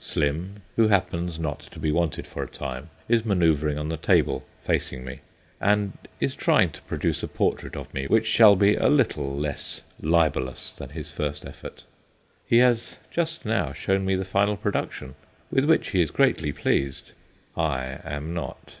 Slim, who happens not to be wanted for a time, is manoeuvring on the table, facing me, and is trying to produce a portrait of me which shall be a little less libellous than his first effort. He has just now shown me the final production, with which he is greatly pleased. I am not.